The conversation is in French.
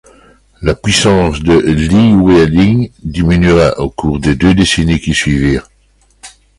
La puissance de Llywelyn diminua au cours des deux décennies qui suivirent.